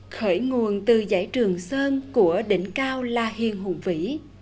khởi nguồn từ giải trường sơn của đỉnh cao la hiền hùng vĩ